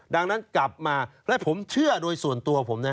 ดังนั้นกลับมาและผมเชื่อโดยส่วนตัวผมนะ